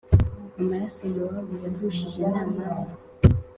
amaraso Yowabu yavushije nta mpamvu.